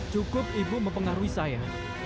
cukup ibu mempengaruhi saya